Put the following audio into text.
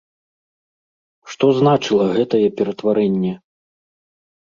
Што значыла гэтае ператварэнне?